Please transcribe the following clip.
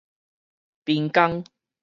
濱江